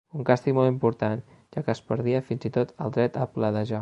Un càstig molt important, ja que es perdia fins i tot al dret a pledejar.